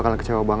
ya allah ya allah